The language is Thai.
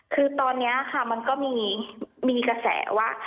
คือตอนนี้ค่ะมันก็มีกระแสว่า